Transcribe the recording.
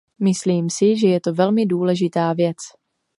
Myslím si, že je to velmi důležitá věc.